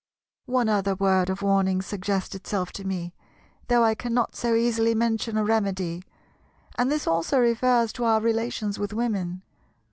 One other word of warning suggest itself to me, though I cannot so easily mention a remedy; and this also refers to our relations with Women.